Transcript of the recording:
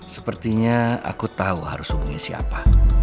sepertinya aku tahu harus hubungi siapa